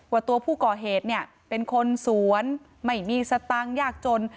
ว่าตัวผู้ก่อเหตุเนี่ยเป็นคนสวนไม่มีสตังค์ยากจน